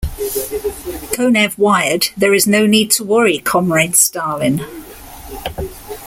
Konev wired: There is no need to worry, Comrade Stalin.